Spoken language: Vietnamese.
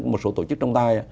một số tổ chức trọng tài